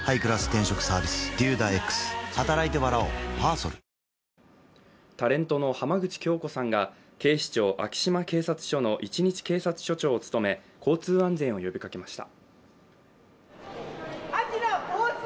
「サッポロクラフトスパイスソーダ」タレントの浜口京子さんが警視庁昭島警察署の一日警察署長を務め交通安全を呼びかけました。